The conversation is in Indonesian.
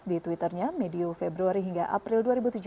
di twitter nya mediuf februari hingga april dua ribu tujuh belas